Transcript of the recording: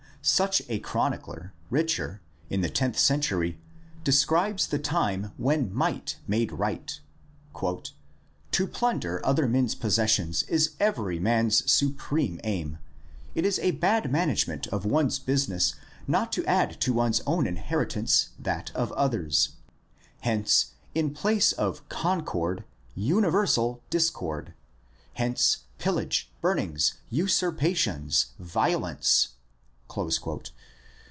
Such a chronicler, Richer, in the tenth century describes the time when might made right: '' To plunder other men's possessions is every man's supreme aim. It is a bad management of one's business not to add to one's own inheritance that of others. Hence in place of concord universal discord. Hence pillage, burnings, usurpations, violence."